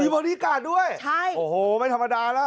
มีบอรีการด์ด้วยไม่ธรรมดาล่ะ